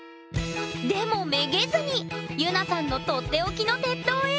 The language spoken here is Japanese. でもめげずにゆなさんのとっておきの鉄塔へ。